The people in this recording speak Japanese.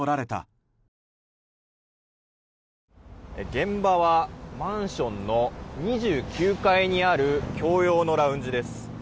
現場はマンションの２９階にある共用のラウンジです。